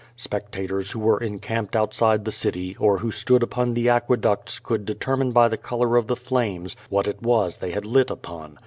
Spectators who were encamped outside the city or who stood upon the aqueducts could determine by the color of the flames what it was they had lit upon.